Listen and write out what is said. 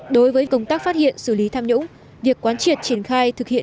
đối với công tác phát hiện xử lý tham nhũng việc quán triệt triển khai thực hiện